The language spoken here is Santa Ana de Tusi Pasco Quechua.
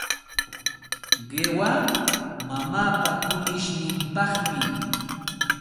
Qiwa mamaapa kunishninpaqmi.